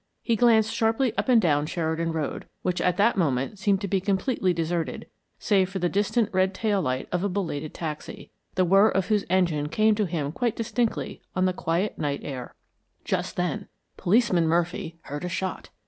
He glanced sharply up and down Sheridan Road, which at that moment seemed to be completely deserted save for the distant red tail light of a belated taxi, the whir of whose engine came to him quite distinctly on the quiet night air. JUST THEN POLICEMAN MURPHY HEARD A SHOT!